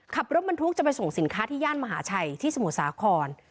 ขับรถบรรทุกจะไปส่งสินค้าที่ย่านมหาชัยที่สมุทรสาคร